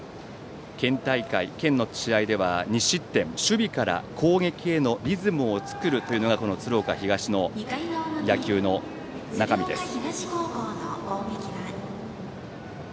県大会、県の試合では２失点守備から攻撃へのリズムを作るというのが鶴岡東の野球の中身です。